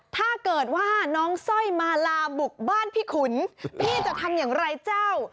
ถ้าเกิดว่าน้องสร้อยมาลาบุกบ้านพี่ขุนพี่จะทำอย่างไรเจ้า